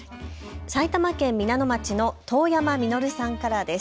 埼玉県皆野町の遠山未乃留さんからです。